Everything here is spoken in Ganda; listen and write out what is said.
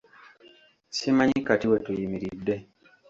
Simanyi kati we tuyimiridde.